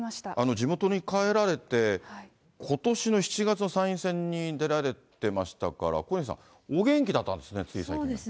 地元に帰られて、ことしの７月の参院選に出られてましたから、お元気だったんですね、そうですね。